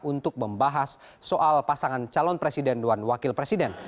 untuk membahas soal pasangan calon presiden dan wakil presiden